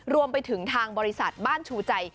รวมไปถึงทางบริษัทบ้านชูใจ